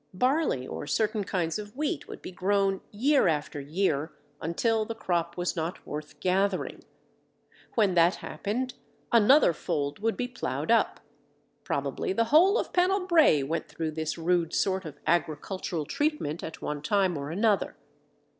Barley or certain kinds of wheat would be grown year after year until the crop was not worth gathering. When that happened, another fold would be ploughed up. Probably the whole of Pennell Brae went through this rude sort of agricultural treatment at one time or another.